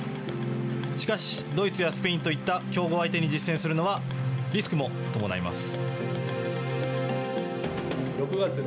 しかし、ドイツやスペインといった強豪相手に実践するのはリスクも伴います。